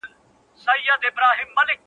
حیوانان له وهمه تښتي خپل پردی سي-